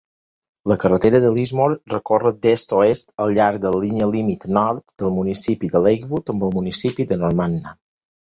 La carretera de Lismore recorre d'est a oest al llarg de la línia límit nord del municipi de Lakewood amb el municipi de Normanna.